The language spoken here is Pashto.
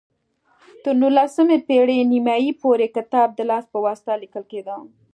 تر نولسمې پېړۍ نیمايي پورې کتاب د لاس په واسطه لیکل کېده.